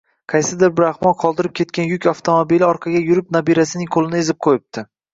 Qaysidir bir ahmoq qoldirib ketgan yuk avtomobili orqaga yurib nabirasining qoʻlini ezib qoʻyibdi